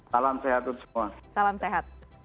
salam sehat untuk semua